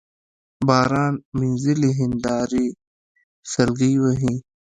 باران مينځلي هينداري سلګۍ وهي